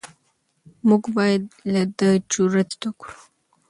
موږ باید له ده جرئت زده کړو.